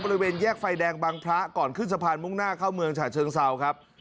บริเวณแยกไฟแดงบังพระก่อนขึ้นสะพานมุ่งหน้าเข้าเมืองฉะเชิงเซาครับ